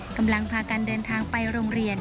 กำลังพากันเดินทางไปโรงเรียน